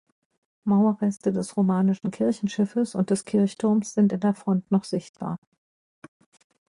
Mauerreste des romanischen Kirchenschiffes und des Kirchturms sind in der Front noch sichtbar.